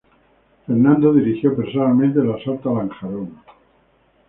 Fernando dirigió personalmente el asalto a Lanjarón.